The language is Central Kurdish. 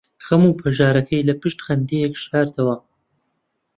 خەم و پەژارەکەی لەپشت خەندەیەک شاردەوە.